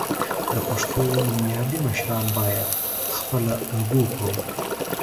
د پښتو نومیالي مشران باید خپله الګو کړو.